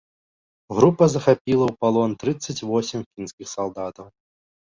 Група захапіла ў палон трыццаць восем фінскіх салдатаў.